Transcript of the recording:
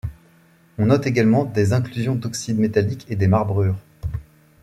On note également des inclusions d'oxydes métalliques et des marbrures.